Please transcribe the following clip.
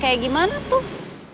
kayak gimana tuh